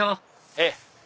ええ。